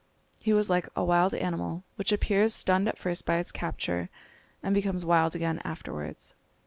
He was like a wild animal, which appears stunned at first by its capture, and becomes wild again afterwards.